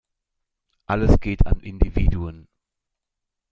Alles geht an Individuen.